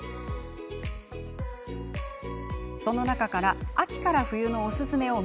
その中から秋から冬のおすすめを